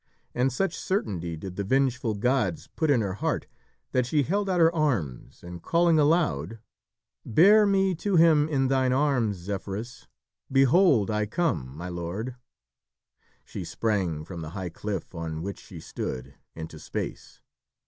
And such certainty did the vengeful gods put in her heart that she held out her arms, and calling aloud: "Bear me to him in thine arms, Zephyrus! Behold I come, my lord!" she sprang from the high cliff on which she stood, into space.